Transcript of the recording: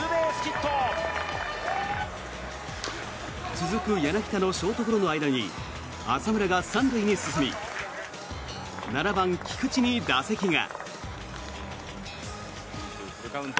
続く柳田のショートゴロの間に浅村が３塁に進み７番、菊池に打席が。